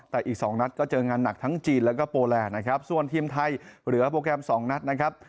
แต่อีกสองนัดก็เจองานหนักทั้งจีนแล้วก็โปแลนด์นะครับส่วนทีมไทยเหลือโปรแกรมสองนัดนะครับ